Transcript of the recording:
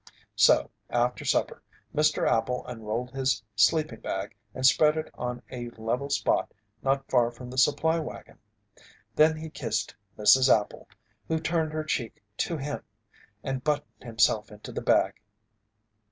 So, after supper, Mr. Appel unrolled his sleeping bag and spread it on a level spot not far from the supply wagon. Then he kissed Mrs. Appel, who turned her cheek to him, and buttoned himself into the bag.